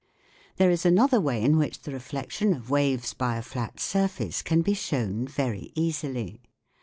There is another way in which the reflection of waves by a flat surface can be shown very easily.